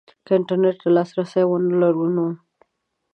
که انترنټ ته لاسرسی ونه لرو نو